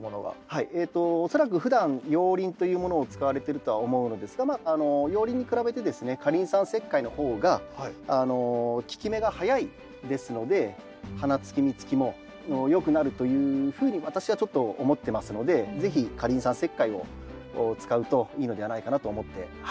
はい恐らくふだん熔リンというものを使われてるとは思うのですが熔リンに比べてですね過リン酸石灰の方が効き目が早いですので花つき実つきもよくなるというふうに私はちょっと思ってますので是非過リン酸石灰を使うといいのではないかなと思ってはい。